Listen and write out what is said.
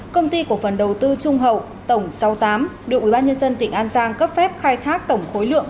công ty cổ phần đầu tư trung hậu tổng sáu mươi tám được ubnd tỉnh an giang cấp phép khai thác tổng khối lượng